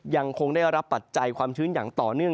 ยังคงได้รับปัจจัยความชื้นอย่างต่อเนื่อง